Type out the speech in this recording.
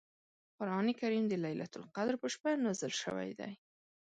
قران کریم د لیلة القدر په شپه نازل شوی دی .